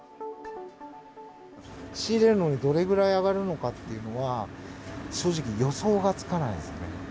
仕入れるのにどれぐらい上がるのかっていうのは、正直、予想がつかないですね。